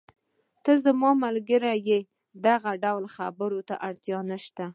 ته زما ملګری یې، د دغه ډول خبرو اړتیا نشته.